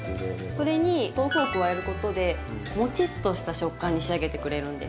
それに豆腐を加えることでもちっとした食感に仕上げてくれるんです。